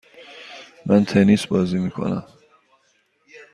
من تنیس بازی میکنم.